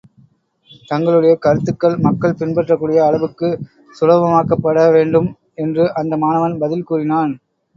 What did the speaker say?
தங்களுடைய கருத்துக்கள் மக்கள் பின்பற்றக் கூடிய அளவுக்குச் சுலபமாக்கப்பட வேண்டும் என்று அந்த மாணவன் பதில் கூறினான்.